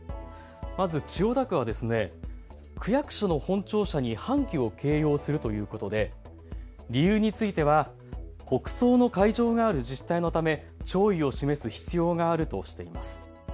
まず千代田区は区役所の本庁舎に半旗を掲揚するということで理由については、国葬の会場がある自治体のため弔意を示す必要があるとしています。